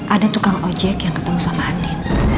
ada tukang ojek yang ketemu sama andin